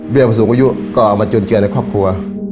เบี้ยวไปสูงอายุก็ออกมาจนเกิดในครอบครัว